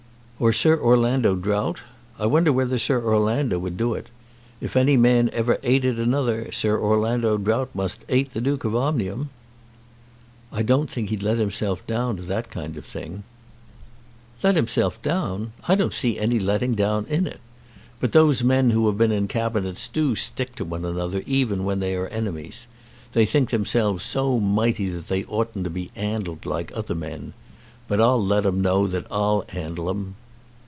Or Sir Orlando Drought? I wonder whether Sir Orlando would do it. If any man ever 'ated another, Sir Orlando Drought must 'ate the Duke of Omnium." "I don't think he'd let himself down to that kind of thing." "Let 'imself down! I don't see any letting down in it. But those men who have been in cabinets do stick to one another even when they are enemies. They think themselves so mighty that they oughtn't to be 'andled like other men. But I'll let 'em know that I'll 'andle 'em.